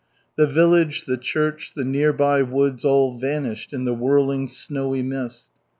The village, the church, the nearby woods, all vanished in the whirling snowy mist.